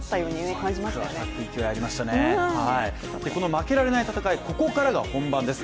負けられない戦い、ここからが本番です。